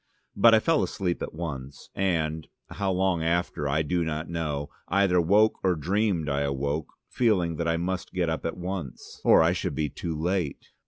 But I fell asleep at once, and how long after I do not know either woke or dreamed I awoke, feeling that I must get up at once, or I should be too late.